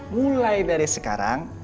mulai dari sekarang